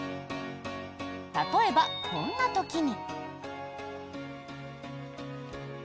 例えば、こんな時に。